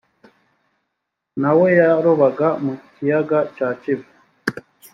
nawe yarobaga mu kiyaga cya kivu